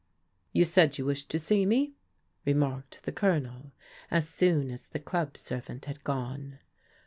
"You said you wished to see me," remarked the Colonel as soon as the club servant had gone.